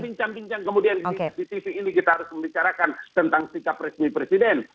bincang bincang kemudian di tv ini kita harus membicarakan tentang sikap resmi presiden